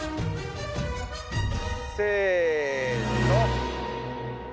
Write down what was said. せの。